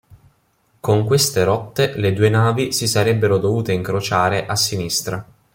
Con queste rotte le due navi si sarebbero dovute incrociare a sinistra.